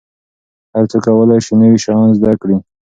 هر څوک کولای سي نوي شیان زده کړي.